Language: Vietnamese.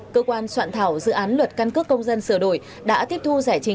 cơ quan soạn thảo dự án luật căn cước công dân sửa đổi đã tiếp thu giải trình